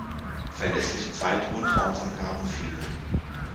Verlässliche Zeit- und Ortsangaben fehlen.